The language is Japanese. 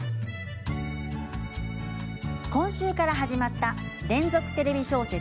今週から始まった連続テレビ小説